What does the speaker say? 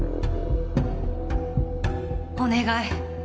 お願い